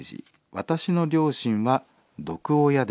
「私の両親は毒親でした。